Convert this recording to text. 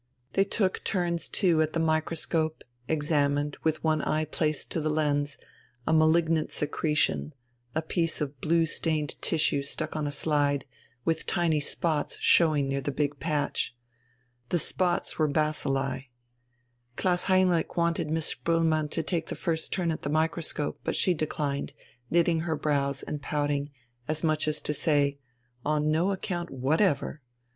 They took turns too at the microscope, examined, with one eye placed to the lens, a malignant secretion, a piece of blue stained tissue stuck on a slide, with tiny spots showing near the big patch. The spots were bacilli. Klaus Heinrich wanted Miss Spoelmann to take the first turn at the microscope, but she declined, knitting her brows and pouting, as much as to say: "On no account whatever."